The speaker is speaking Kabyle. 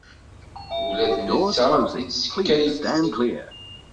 Ula d netta ittekka yid-sen.